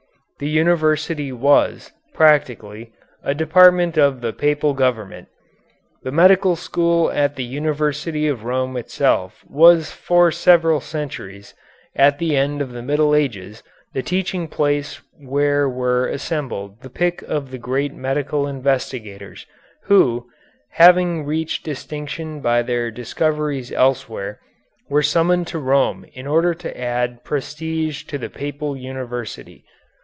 The university was, practically, a department of the Papal government. The medical school at the University of Rome itself was for several centuries, at the end of the Middle Ages, the teaching place where were assembled the pick of the great medical investigators, who, having reached distinction by their discoveries elsewhere, were summoned to Rome in order to add prestige to the Papal University.